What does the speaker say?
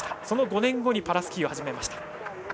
その５年後パラスキーを始めました。